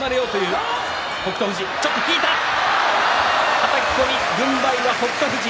はたき込み軍配は北勝富士。